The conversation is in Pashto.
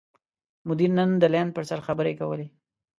مدیر نن د لین پر سر خبرې کولې.